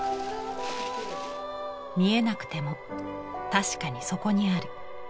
見えなくても確かにそこにある。